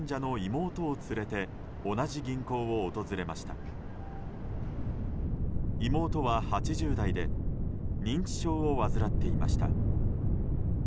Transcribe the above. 妹は８０代で認知症を患っていました。